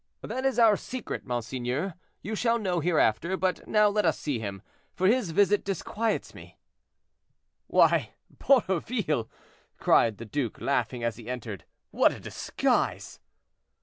"That is our secret, monseigneur; you shall know hereafter, but now let us see him, for his visit disquiets me." "Why, Borroville," cried the duke, laughing, as he entered; "what a disguise!"